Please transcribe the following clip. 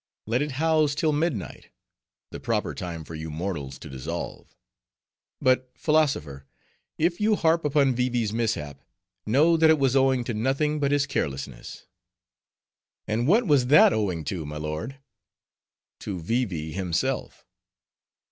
Let it house till midnight; the proper time for you mortals to dissolve. But, philosopher, if you harp upon Vee Vee's mishap, know that it was owing to nothing but his carelessness." "And what was that owing to, my lord?" "To Vee Vee himself."